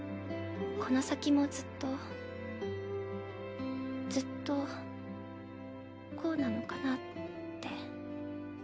この先もずっとずっとこうなのかなって。